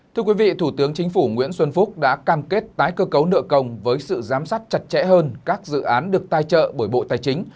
thưa quý vị thủ tướng chính phủ nguyễn xuân phúc đã cam kết tái cơ cấu nợ công với sự giám sát chặt chẽ hơn các dự án được tài trợ bởi bộ tài chính